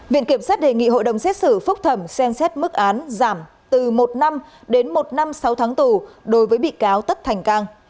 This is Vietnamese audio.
viện kiểm sát đề nghị hội đồng xét xử phúc thẩm xem xét mức án giảm từ một năm đến một năm sáu tháng tù đối với bị cáo tất thành cang